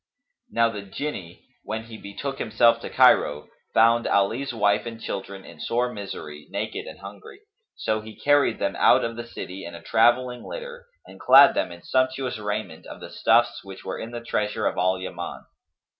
Now the Jinni, when he betook himself to Cairo, found Ali's wife and children in sore misery, naked and hungry; so he carried them out of the city in a travelling litter and clad them in sumptuous raiment of the stuffs which were in the treasure of Al Yaman.